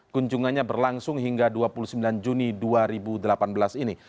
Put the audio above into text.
kunjungannya berlangsung hingga dua puluh sembilan juni dua ribu delapan belas ini